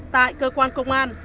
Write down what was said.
tại cơ quan công an